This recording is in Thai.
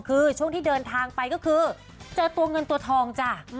คือช่วงที่เดินทางไปก็คือเจอตัวเงินตัวทองจ้ะ